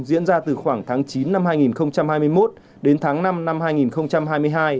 diễn ra từ khoảng tháng chín năm hai nghìn hai mươi một đến tháng năm năm hai nghìn hai mươi hai